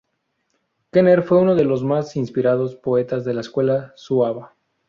Kerner fue uno de los más inspirados poetas de la escuela suaba.